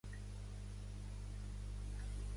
Va ser onze germans.